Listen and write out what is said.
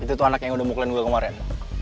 itu tuh anak yang udah muklan gue kemarin